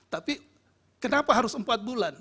tapi kenapa harus empat bulan